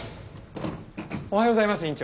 おはようございます院長。